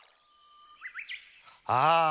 ああ！